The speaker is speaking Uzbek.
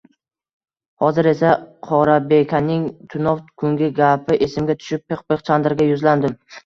Hozir esa Qorabekaning tunov kungi gapi esimga tushib, Pixpix Chandrga yuzlandim: